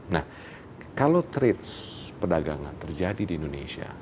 nah kalau trade perdagangan terjadi di indonesia